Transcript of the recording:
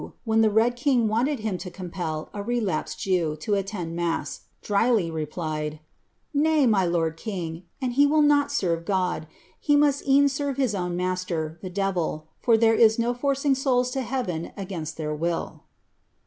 when the Iit d King wanted him to conipcU relapsed Jew to attend mass, drily replied, " Kay, my lord king, an' be will not serve God, he must e'en serve his own master, the devil, lur there is no forcing souls lo heaven against their will."